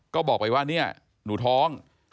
ก็บอกไปว่าเนี่ยหนูท้อง